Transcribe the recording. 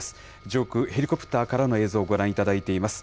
上空、ヘリコプターからの映像、ご覧いただいています。